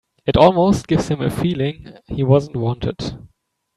It almost gives him a feeling he wasn't wanted.